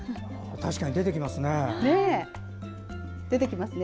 確かに出てきますね。